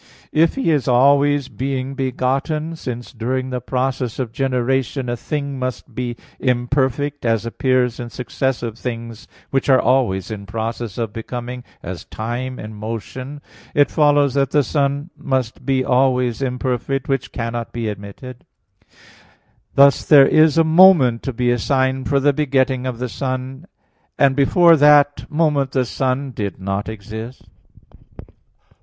If He is always being begotten, since, during the process of generation, a thing must be imperfect, as appears in successive things, which are always in process of becoming, as time and motion, it follows that the Son must be always imperfect, which cannot be admitted. Thus there is a moment to be assigned for the begetting of the Son, and before that moment the Son did not exist.